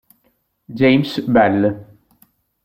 James Bell